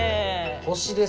星です。